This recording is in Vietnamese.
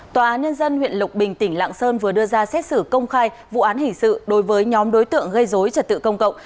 tòa án nhân dân huyện lộc bình tỉnh lạng sơn vừa đưa ra xét xử công khai vụ án hình sự đối với nhóm đối tượng gây dối trật tự công cộng